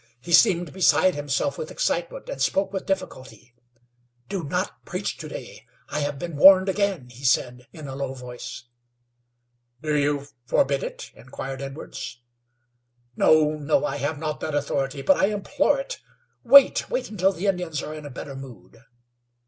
He seemed beside himself with excitement, and spoke with difficulty. "Do not preach to day. I have been warned again," he said, in a low voice. "Do you forbid it?" inquired Edwards. "No, no. I have not that authority, but I implore it. Wait, wait until the Indians are in a better mood."